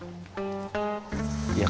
mas suha jahat